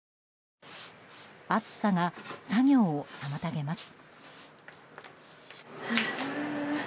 暑さが作業を妨げます。